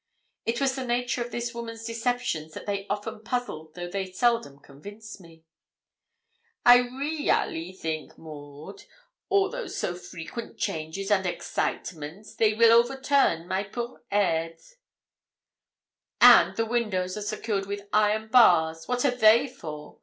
It was the nature of this woman's deceptions that they often puzzled though they seldom convinced me. 'I re ally think, Maud, all those so frequent changes and excite ments they weel overturn my poor head.' 'And the windows are secured with iron bars what are they for?'